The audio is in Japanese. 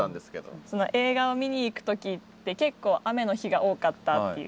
映画を見に行く時って結構雨の日が多かったっていう。